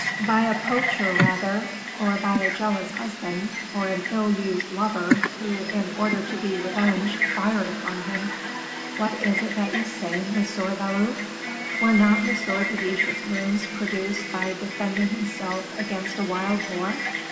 "By a poacher, rather, or by a jealous husband, or an ill used lover, who, in order to be revenged, fired upon him." "What is it that you say, Monsieur Valot? Were not M. de Guiche's wounds produced by defending himself against a wild boar?"